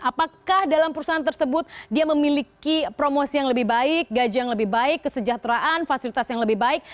apakah dalam perusahaan tersebut dia memiliki promosi yang lebih baik gaji yang lebih baik kesejahteraan fasilitas yang lebih baik